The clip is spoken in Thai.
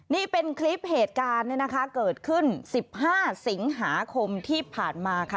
นี่เป็นคลิปเหตุการณ์เนี่ยนะคะเกิดขึ้น๑๕สิงหาคมที่ผ่านมาค่ะ